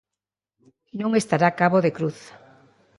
Non estará Cabo de Cruz.